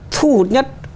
thu hút nhất